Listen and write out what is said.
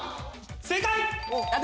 正解！